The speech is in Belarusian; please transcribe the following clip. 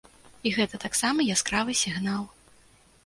І гэта таксама яскравы сігнал.